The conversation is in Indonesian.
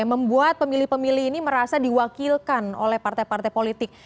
yang membuat pemilih pemilih ini merasa diwakilkan oleh partai partai politik